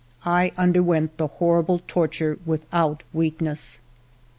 I underwent the hor rible torture without weakness.